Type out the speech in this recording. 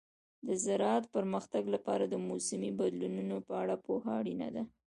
د زراعت پرمختګ لپاره د موسمي بدلونونو په اړه پوهه اړینه ده.